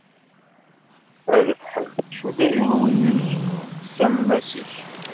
A lefḥel, cudd ajenwi-k s ammas -ik!